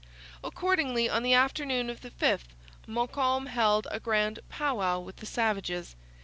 Accordingly, on the afternoon of the 5th, Montcalm held a grand 'pow wow' with the savages.